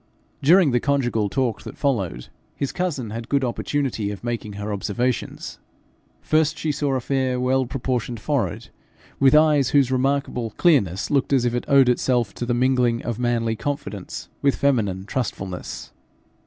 During the conjugal talk that followed, his cousin had good opportunity of making her observations. First she saw a fair, well proportioned forehead, with eyes whose remarkable clearness looked as if it owed itself to the mingling of manly confidence with feminine trustfulness.